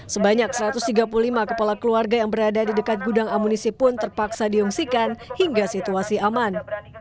sebanyak satu ratus tiga puluh lima kepala keluarga yang berada di dekat gudang amunisi pun terpaksa diungsikan hingga situasi aman